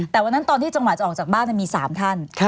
แต่วันนั้นตอนที่จังหวะจะออกจากบ้านมี๓ท่าน